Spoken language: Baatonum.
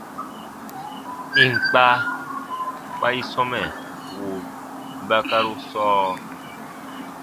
Ì n kpa, kpa i sɔmɛ wùu bakaru sɔɔ.